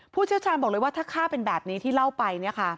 เชี่ยวชาญบอกเลยว่าถ้าข้าเป็นแบบนี้ที่เล่าไป